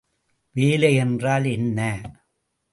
வேலை என்றால் என்ன?